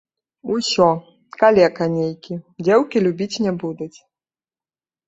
Усё, калека нейкі, дзеўкі любіць не будуць.